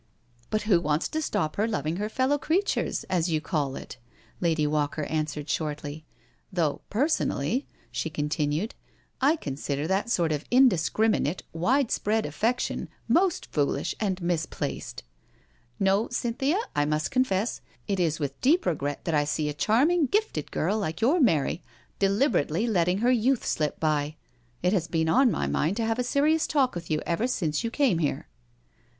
But who wants to stop her loving her fellow creatures, as you call it," Lady Walker answered shortly, " though personally," she continued, " I con sider that sort of indiscriminate, widespread affection, most foolish and misplaced. No, Cynthia, I must con fess, it is with deep regret that I see a charming, gifted girl, like your Mary, deliberately letting her youth slip by. It has been on my mind to have a serious talk with you ever since you came here."